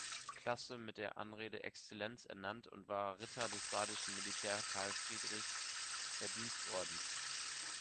Klasse mit der Anrede Exzellenz ernannt und war Ritter des badischen Militär-Karl-Friedrich-Verdienstordens.